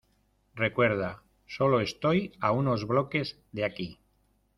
Recuerda, sólo estoy a unos bloques de aquí.